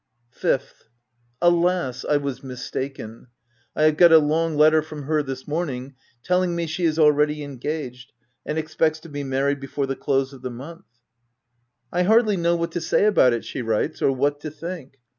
5th. — Alas! I was mistaken. I have got a long letter from her this morning, telling me she is already engaged, and expects to be mar ried before the close of the month, " I hardly know what to say about it," she writes, "or what to think.